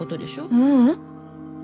ううん。